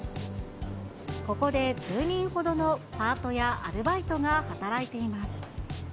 ここで１０人ほどのパートやアルバイトが働いています。